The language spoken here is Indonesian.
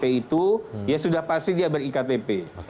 pemilih yang berhak yang namanya tercantum dalam dpp itu